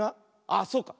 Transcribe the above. あっそうか。